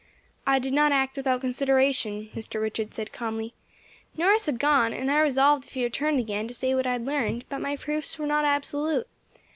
"I did not act without consideration," Mr. Richards said calmly. "Norris had gone, and I resolved if he returned again to say what I had learned; but my proofs were not absolute.